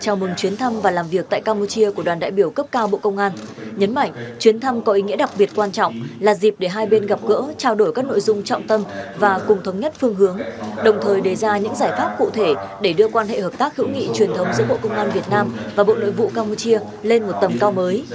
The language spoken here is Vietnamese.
chào mừng chuyến thăm và làm việc tại campuchia của đoàn đại biểu cấp cao bộ công an nhấn mạnh chuyến thăm có ý nghĩa đặc biệt quan trọng là dịp để hai bên gặp gỡ trao đổi các nội dung trọng tâm và cùng thống nhất phương hướng đồng thời đề ra những giải pháp cụ thể để đưa quan hệ hợp tác hữu nghị truyền thống giữa bộ công an việt nam và bộ nội vụ campuchia lên một tầm cao mới